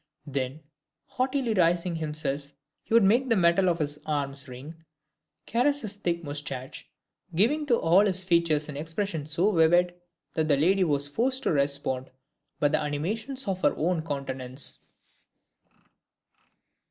Then, haughtily raising himself, he would make the metal of his arms ring, caress his thick moustache, giving to all his features an expression so vivid, that the lady was forced to respond by the animation of her own countenance.